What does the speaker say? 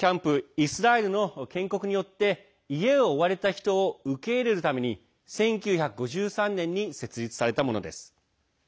イスラエルの建国によって家を追われた人を受け入れるために１９５３年に設立されたものです。